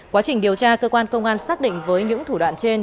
quá trình điều tra cơ quan công an xác định với những thủ đoạn trên